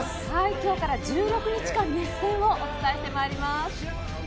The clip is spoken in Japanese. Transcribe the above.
今日から１６日間熱戦をお伝えしてまいります。